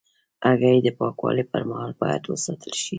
هګۍ د پاکوالي پر مهال باید وساتل شي.